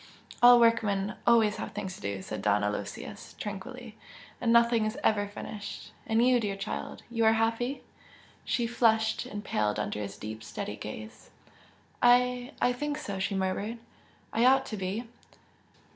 "All workmen always have things to do!" said Don Aloysius, tranquilly "And nothing is ever finished! And you, dear child! you are happy?" She flushed and paled under his deep, steady gaze. "I I think so!" she murmured "I ought to be!"